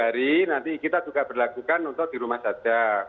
tiga hari nanti kita juga berlakukan untuk di rumah saja